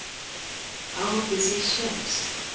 O busy ships!